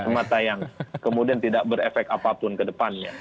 semata yang kemudian tidak berefek apapun ke depannya